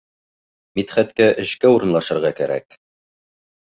Мидхәткә эшкә урынлашырға кәрәк.